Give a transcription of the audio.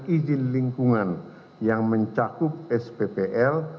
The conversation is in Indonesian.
izin lingkungan yang mencakup sppl